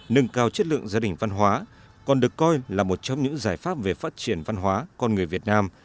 nâng cao chất lượng gia đình văn hóa còn được coi là một trong những giải pháp về phát triển văn hóa con người việt nam